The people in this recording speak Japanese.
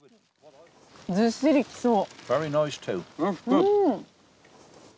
ずっしり来そう。